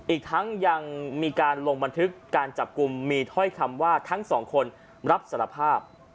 อีกทั้งยังมีการลงบันทึกการจับกลุ่มมีถ้อยคำว่าทั้งสองคนรับสารภาพ